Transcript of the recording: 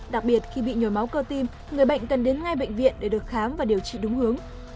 đặc biệt khi bị nhồi máu cơ tim người bệnh cần đến ngay bệnh viện để được khám và điều trị đúng hướng